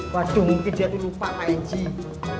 waduh mungkin dia tuh lupa pak engju